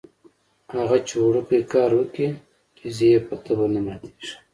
اگه چې وړوکی کار وکي ټيز يې په تبر نه ماتېږي.